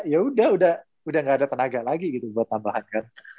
ya udah udah udah gak ada tenaga lagi gitu buat tambahan kan